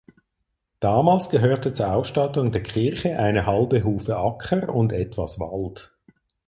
Damals gehörte zur Ausstattung der Kirche eine halbe Hufe Acker und etwas Wald.